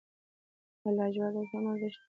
آیا لاجورد اوس هم ارزښت لري؟